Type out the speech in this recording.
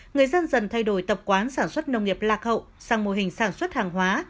người dân dần thay đổi tập quán sản xuất nông nghiệp lạc hậu sang mô hình sản xuất hàng hóa